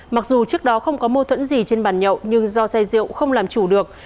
mặc dù trước đó không có mâu thuẫn gì trên bàn nhậu nhưng do say rượu không làm chủ được